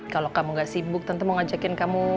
kalau kamu gak sibuk tentu mau ngajakin kamu